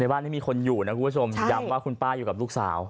บ้านนี้มีคนอยู่นะคุณผู้ชมย้ำว่าคุณป้าอยู่กับลูกสาว